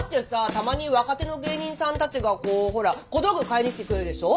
たまに若手の芸人さんたちがこうほら小道具買いに来てくれるでしょ。